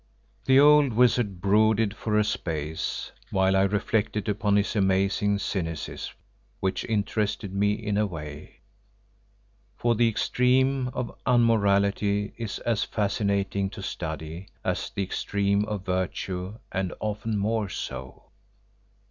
The old wizard brooded for a space, while I reflected upon his amazing cynicism, which interested me in a way, for the extreme of unmorality is as fascinating to study as the extreme of virtue and often more so.